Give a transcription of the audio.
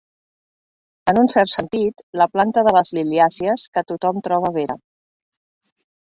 En un cert sentit, la planta de les liliàcies que tothom troba vera.